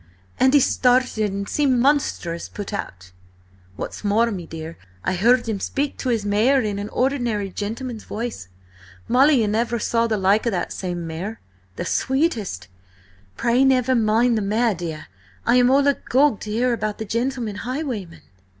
"—and he started and seemed monstrous put out. What's more, me dear, I heard him speak to his mare in an ordinary, gentleman's voice. Molly, ye never saw the like of that same mare! The sweetest—" "Pray, never mind the mare, dear! I am all agog to hear about the gentleman highwayman!"